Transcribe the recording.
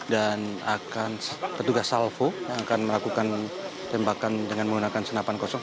dan akan petugas salvo yang akan melakukan tembakan dengan menggunakan senapan kosong